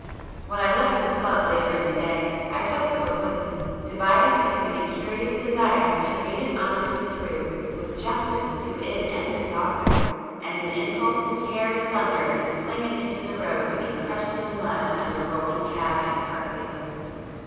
When I left the club later in the day, I took the book with me, divided between a curious desire to read it honestly through with justice to it and its author, and an impulse to tear it asunder and fling it into the road to be crushed in the mud under rolling cab and cart wheels.